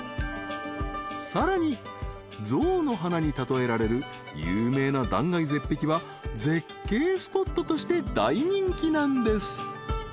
［さらに象の鼻に例えられる有名な断崖絶壁は絶景スポットとして大人気なんです］